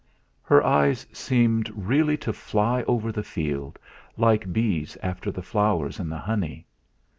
Her eyes seemed really to fly over the field, like bees after the flowers and the honey.